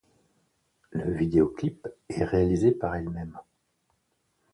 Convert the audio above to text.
Le vidéoclip est réalisé par elle-même.